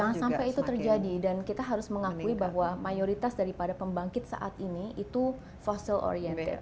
jangan sampai itu terjadi dan kita harus mengakui bahwa mayoritas daripada pembangkit saat ini itu fossil oriented